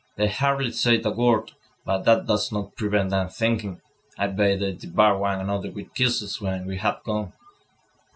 "They hardly say a word, but that does not prevent them thinking. I bet they devour one another with kisses when we have gone."